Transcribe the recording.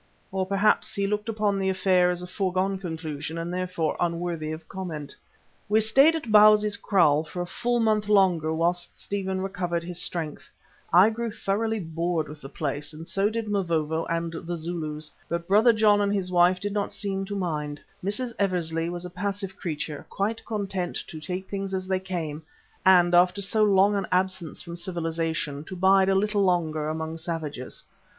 Or, perhaps, he looked upon the affair as a foregone conclusion and therefore unworthy of comment. We stayed at Bausi's kraal for a full month longer whilst Stephen recovered his strength. I grew thoroughly bored with the place and so did Mavovo and the Zulus, but Brother John and his wife did not seem to mind. Mrs. Eversley was a passive creature, quite content to take things as they came and after so long an absence from civilization, to bide a little longer among savages.